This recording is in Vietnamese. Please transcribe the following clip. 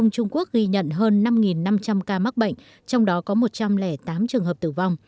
trung quốc ghi nhận hơn năm năm trăm linh ca mắc bệnh trong đó có một trăm linh tám trường hợp tử vong